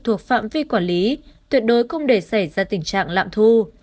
thuộc phạm vi quản lý tuyệt đối không để xảy ra tình trạng lạm thu